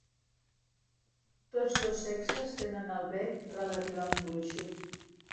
Tots dos sexes tenen el bec relativament gruixut.